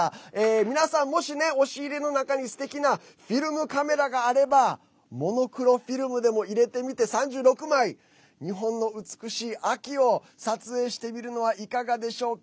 皆さんも、もし押し入れの中にすてきなフィルムカメラがあればモノクロフィルムでも入れてみて３６枚、日本の美しい秋を撮影してみるのはいかがでしょうか？